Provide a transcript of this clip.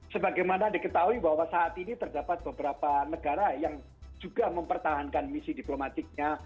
sebagaimana diketahui bahwa saat ini terdapat beberapa negara yang juga mempertahankan misi diplomatiknya